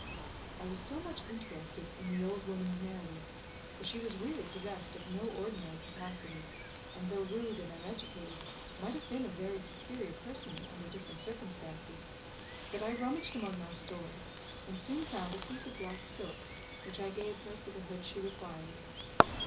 I was so much interested in the old woman's narrative for she was really possessed of no ordinary capacity, and, though rude and uneducated might have been a very superior person under different circumstances that I rummaged among my store, and soon found a piece of black silk, which I gave her for the hood she required.